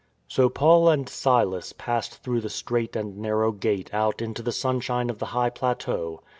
"* So Paul and Silas passed through the straight and narrow Gate out into the sunshine of the high plateau.